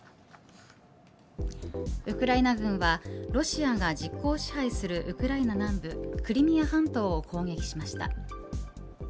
ウクライナ軍はロシアが実効支配するウクライナ南部クリミア半島を攻撃しました。